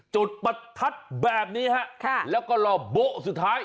จุดประทัดแบบนี้ฮะแล้วก็รอบโบ๊ะสุดท้าย